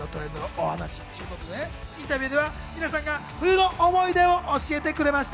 インタビューでは皆さんが冬の思い出を教えてくれました。